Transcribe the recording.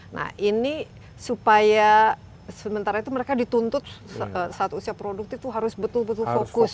nah ini supaya sementara itu mereka dituntut saat usia produktif itu harus betul betul fokus